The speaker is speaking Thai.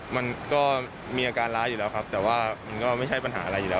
มันก็มีอาการร้ายอยู่แล้วครับแต่ว่ามันก็ไม่ใช่ปัญหาอะไรอยู่แล้ว